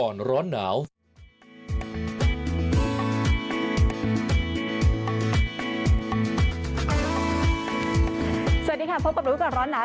สวัสดีค่ะพบกับรู้ก่อนร้อนหนาว